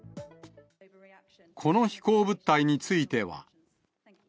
この飛行物体については。